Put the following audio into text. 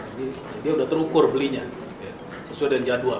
ini dia sudah terukur belinya sesuai dengan jadwal